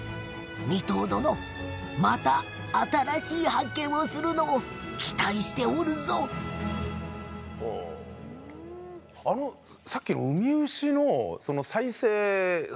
三藤殿また新しい発見をするのを期待しておるぞあのさっきのウミウシのその再生してるじゃないですか。